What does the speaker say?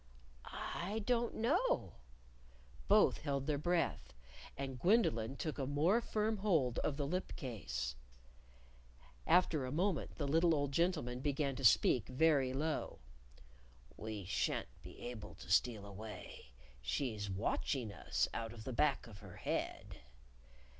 "I don't know." Both held their breath. And Gwendolyn took a more firm hold of the lip case. After a moment the little old gentleman began to speak very low: "We shan't be able to steal away. She's watching us out of the back of her head!"